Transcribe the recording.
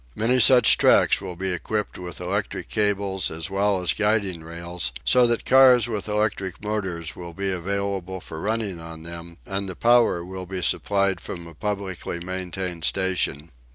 Many such tracks will be equipped with electric cables as well as guiding rails, so that cars with electric motors will be available for running on them, and the power will be supplied from a publicly maintained station.